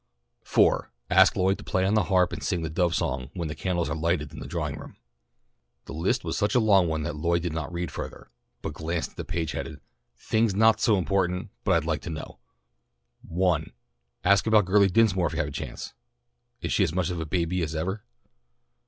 4 Ask Lloyd to play on the harp and sing the Dove Song, when the candles are lighted in the drawing room. The list was such a long one that Lloyd did not read farther, but glanced at the page headed THINGS NOT SO IMPORTANT, BUT I'D LIKE TO KNOW 1 Ask about Girlie Dinsmore if you have a chance. Is she as much of a baby as ever?